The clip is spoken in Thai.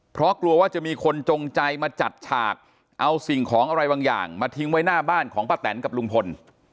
เพราะกลัวว่าจะมีคนจงใจมาจัดฉากเอาสิ่งของอะไรบางอย่างมาทิ้งไว้หน้าบ้านของป้าแตนกับลุงพล